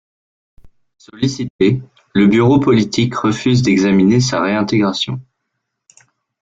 Sollicité, le Bureau politique refuse d'examiner sa réintégration.